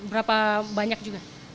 berapa banyak juga